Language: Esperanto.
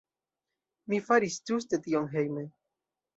Mi faris ĝuste tion hejme.